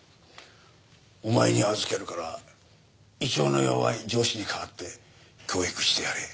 お前に預けるから胃腸の弱い上司に代わって教育してやれ。